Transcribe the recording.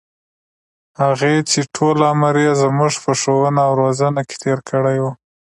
هغـې چـې ټـول عـمر يـې زمـوږ په ښـوونه او روزنـه کـې تېـر کـړى و.